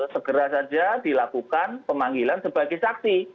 segera saja dilakukan pemanggilan sebagai saksi